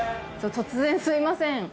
突然すいません。